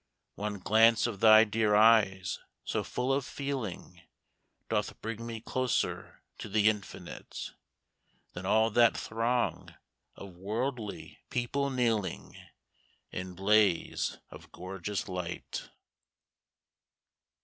One glance of thy dear eyes so full of feeling, Doth bring me closer to the Infinite, Than all that throng of worldly people kneeling In blaze of gorgeous light.